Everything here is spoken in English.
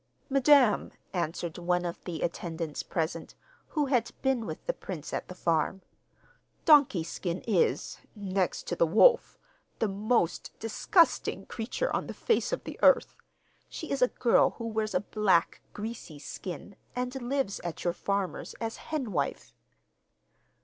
'Madam,' answered one of the attendants present, who had been with the prince at the farm, '"Donkey Skin" is, next to the wolf, the most disgusting creature on the face of the earth. She is a girl who wears a black, greasy skin, and lives at your farmer's as hen wife.